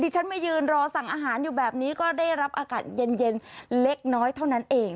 ฉันมายืนรอสั่งอาหารอยู่แบบนี้ก็ได้รับอากาศเย็นเล็กน้อยเท่านั้นเอง